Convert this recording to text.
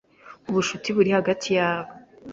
ubucuti buri hagati yabo,